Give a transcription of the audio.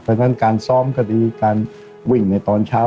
เพราะฉะนั้นการซ้อมคดีการวิ่งในตอนเช้า